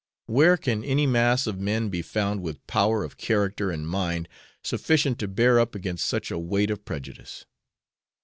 Where shall any mass of men be found with power of character and mind sufficient to bear up against such a weight of prejudice?